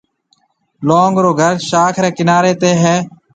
لونگ رو گهر شاخ ريَ ڪناريَ تي هيَ۔